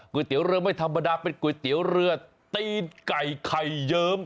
เตี๋ยวเรือไม่ธรรมดาเป็นก๋วยเตี๋ยวเรือตีนไก่ไข่เยิ้ม